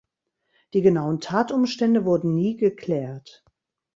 Die genauen Tatumstände wurden nie geklärt.